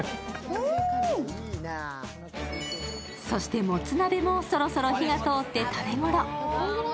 そして、もつ鍋もそろそろ火が通って食べ頃。